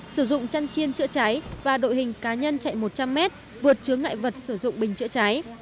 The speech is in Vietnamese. sử dụng chăn chiên chữa cháy và đội hình cá nhân chạy một trăm linh mét vượt chứa ngại vật sử dụng bình chữa cháy